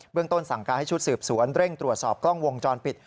เรื่องต้นสั่งการให้ชุดสืบสวนเร่งตรวจสอบกล้องวงจรปิด